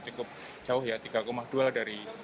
cukup jauh ya tiga dua dari